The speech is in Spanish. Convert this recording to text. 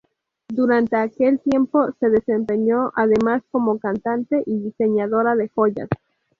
Durante aquel tiempo se desempeñó además como cantante y diseñadora de joyas.